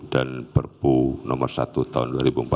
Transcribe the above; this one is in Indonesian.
dan perpu nomor satu tahun dua ribu empat belas